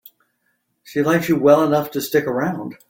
She likes you well enough to stick around.